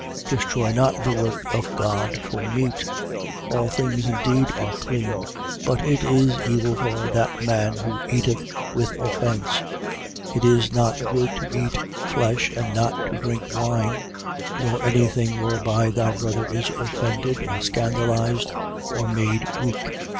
14:20. Destroy not the work of God for meat. All things indeed are clean: but it is evil for that man who eateth with offence. 14:21. It is good not to eat flesh and not to drink wine: nor any thing whereby thy brother is offended or scandalized or made weak.